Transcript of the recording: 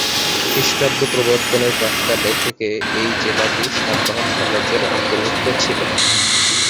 খ্রিস্টাব্দ প্রবর্তনের প্রাক্কালে থেকে এই জেলাটি সাতবাহন সাম্রাজ্যের অন্তর্ভুক্ত ছিল।